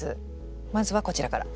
まずはこちらから。